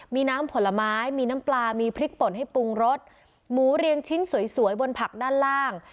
มีน้ำผลไม้มีน้ำปลามีพริกป่นให้ปรุงรสหมูเรียงชิ้นสวยบนผักด้านล่าง